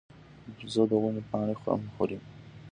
بیزو د ونو پاڼې هم خوري.